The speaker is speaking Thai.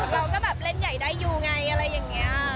เราก็แบบเล่นใหญ่ได้อยู่ไงอะไรอย่างนี้